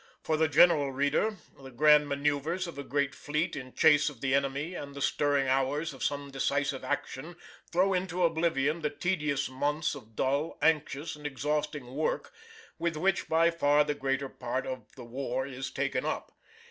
For the general reader, the grand manœuvres of a great fleet in chase of the enemy and the stirring hours of some decisive action throw into oblivion the tedious months of dull, anxious, and exhausting work with which by far the greater part of the war is taken up.